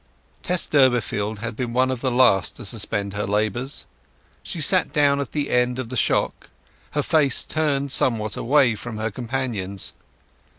Tess Durbeyfield had been one of the last to suspend her labours. She sat down at the end of the shock, her face turned somewhat away from her companions.